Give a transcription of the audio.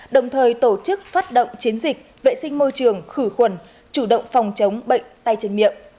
đồng thời tổ chức phát động chiến dịch vệ sinh môi trường khử khuẩn chủ động phòng chống bệnh tay chân miệng